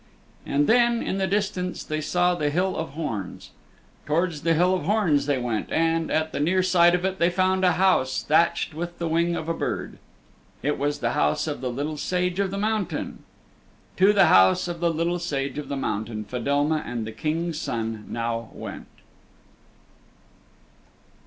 And then, in the distance, they saw the Hill of Horns. Towards the Hill of Horns they went, and, at the near side of it, they found a house thatched with the wing of a bird. It was the house of the Little Sage of the Mountain. To the house of the Little Sage of the Mountain Fedelma and the King's Son now went.